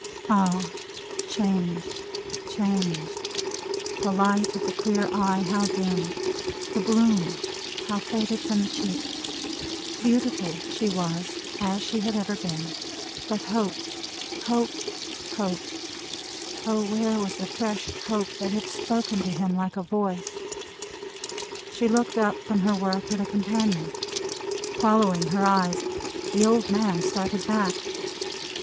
Ah! Changed. Changed. The light of the clear eye, how dimmed. The bloom, how faded from the cheek. Beautiful she was, as she had ever been, but Hope, Hope, Hope, oh, where was the fresh Hope that had spoken to him like a voice! She looked up from her work, at a companion. Following her eyes, the old man started back.